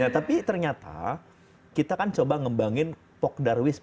tapi ternyata kita kan coba ngembangin pok darwiss